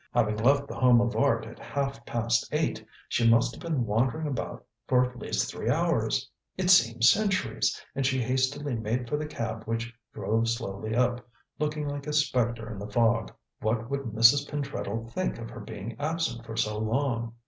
Having left The Home of Art at half past eight, she must have been wandering about for at least three hours. It seemed centuries, and she hastily made for the cab which drove slowly up, looking like a spectre in the fog. What would Mrs. Pentreddle think of her being absent for so long?